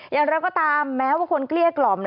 อย่างไรก็ตามแม้ว่าคนเกลี้ยกล่อม